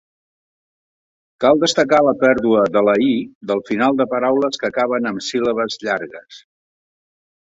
Cal destacar la pèrdua de la "-i" del final de paraules que acaben amb síl·labes llargues.